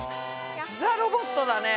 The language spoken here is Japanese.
ザ・ロボットだね。